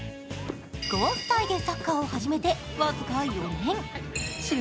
５歳でサッカーを始めて僅か４ねん。